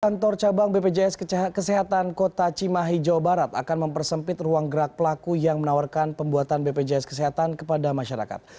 kantor cabang bpjs kesehatan kota cimahi jawa barat akan mempersempit ruang gerak pelaku yang menawarkan pembuatan bpjs kesehatan kepada masyarakat